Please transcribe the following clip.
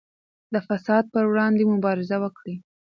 د فساد پر وړاندې مبارزه وکړئ.